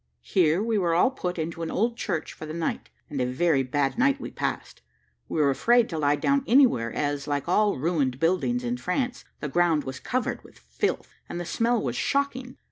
Here we were all put into an old church for the night, and a very bad night we passed. We were afraid to lie down anywhere as, like all ruined buildings in France, the ground was covered with filth, and the smell was shocking.